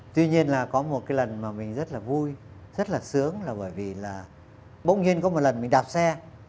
tuy nhiên là có một cái lần mà mình rất là vui rất là sướng là bởi vì là bỗng nhiên có một lần mình đạp xe